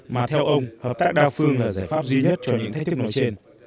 mà theo ông hợp tác đa phương là giải pháp duy nhất cho những thách thức nói trên